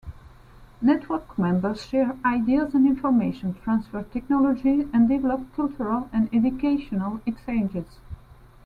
Network members share ideas and information, transfer technologies and develop cultural and educational exchanges.